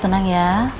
ibu tenang ya